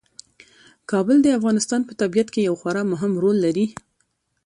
کابل د افغانستان په طبیعت کې یو خورا مهم رول لري.